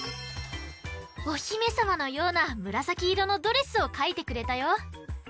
おひめさまのようなむらさきいろのドレスをかいてくれたよ。